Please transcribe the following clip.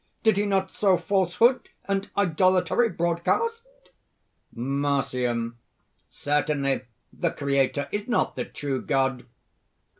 did he not sow falsehood and idolatry broadcast?" MARCION. "Certainly, the Creator is not the true God!"